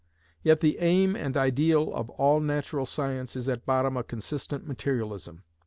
Yet the aim and ideal of all natural science is at bottom a consistent materialism.